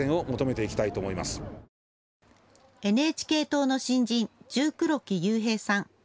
ＮＨＫ党の新人、重黒木優平さん。